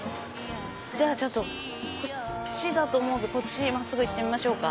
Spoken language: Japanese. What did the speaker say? じゃあこっちだと思うんで真っすぐ行ってみましょうか。